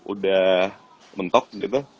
udah mentok gitu